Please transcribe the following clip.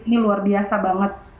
ini luar biasa banget